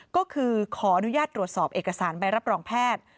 ก็คือขออนุญาตตรวจสอบเอกสารใบรับรองแพทย์